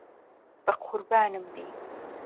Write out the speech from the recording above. بەقوربانم بی.